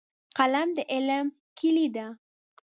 قلم د علم کیلي ده.